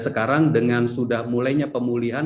sekarang dengan sudah mulainya pemulihan